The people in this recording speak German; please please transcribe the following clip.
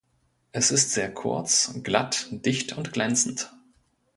Es ist sehr kurz, glatt, dicht und glänzend.